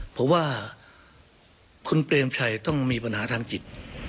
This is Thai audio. เพราะว่าคุณเปรมชัยต้องมีปัญหาทางจิต